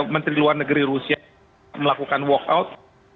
menteri luar negeri rusia melakukan walkout